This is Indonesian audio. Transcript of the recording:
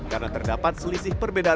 karena terdapat sebuah perjalanan